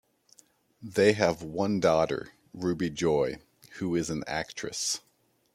They have one daughter, Ruby Joy, who is an actress.